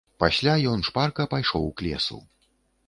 Пасля ён шпарка пайшоў к лесу.